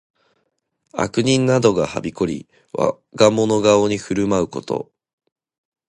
悪人などがはびこり、我がもの顔に振る舞うこと。